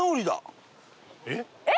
えっ？